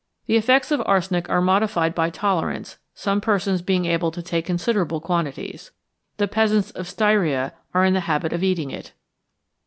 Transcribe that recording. The effects of arsenic are modified by tolerance, some persons being able to take considerable quantities. The peasants of Styria are in the habit of eating it.